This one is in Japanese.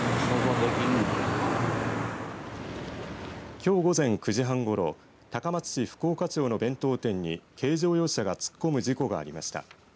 きょう午前９時半ごろ高松市福岡町の弁当店に軽乗用車が突っ込む事故がありました。